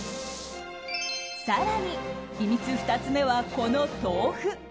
更に秘密２つ目は、この豆腐。